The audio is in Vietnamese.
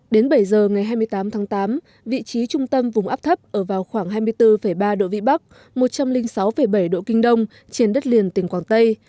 đến bảy giờ ngày hai mươi tám tháng tám vị trí trung tâm vùng áp thấp ở vào khoảng hai mươi bốn ba độ vĩ bắc một trăm linh sáu bảy độ kinh đông trên đất liền tỉnh quảng tây